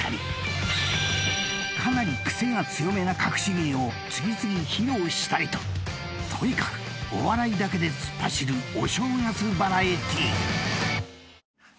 ［かなりクセが強めなかくし芸を次々披露したりととにかくお笑いだけで突っ走るお正月バラエティー！］